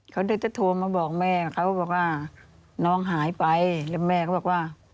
เขาเดี๋ยวจะโทรมาบอกแม่เขาบอกว่าน้องหายไปแล้วแม่ก็บอกว่า